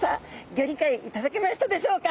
ギョりかいいただけましたでしょうか。